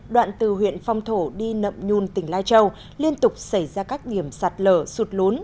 đoạn từ huyện phong thổ đi nậm nhun tỉnh lai châu liên tục xảy ra các điểm sạt lở sụt lún